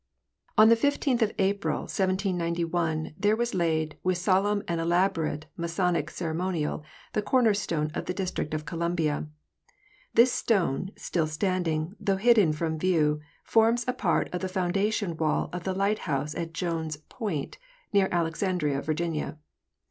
On the 15th of April, 1791, there was laid, with solemn and elaborate masonic ceremonial, the corner stone of the District of Columbia. This stone, still standing, though hidden from view, forms a part of the foundation wall of the lighthouse at Jones point, near Alexandria, Virginia.